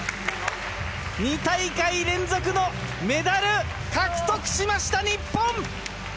２大会連続のメダル獲得しました日本！